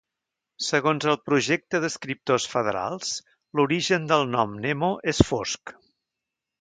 Segons el Projecte d'Escriptors Federals, l'origen del nom Nemo és fosc.